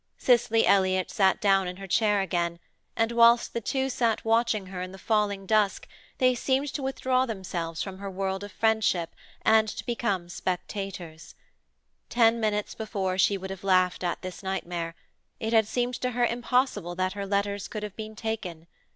Cicely Elliott sat down in her chair again, and whilst the two sat watching her in the falling dusk they seemed to withdraw themselves from her world of friendship and to become spectators. Ten minutes before she would have laughed at this nightmare: it had seemed to her impossible that her letters could have been taken.